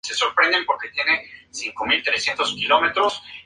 Fue estudiante de teología de la Universidad de San Felipe.